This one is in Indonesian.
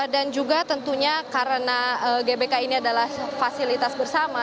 dan juga tentunya karena gbk ini adalah fasilitas bersama